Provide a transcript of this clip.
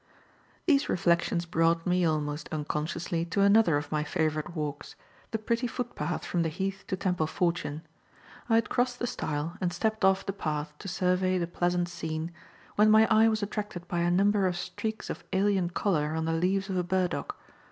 These reflections brought me, almost unconsciously, to another of my favourite walks; the pretty footpath from the Heath to Temple Fortune. I had crossed the stile and stepped off the path to survey the pleasant scene, when my eye was attracted by a number of streaks of alien colour on the leaves of a burdock.